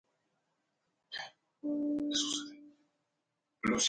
Egresado de la Escuela Multidisciplinaria de Arte Dramático Margarita Xirgu de Montevideo.